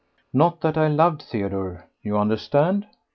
Not that I loved Theodore, you understand?